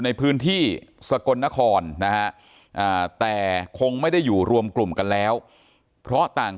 ในพื้นที่สกลนครนะฮะแต่คงไม่ได้อยู่รวมกลุ่มกันแล้วเพราะต่าง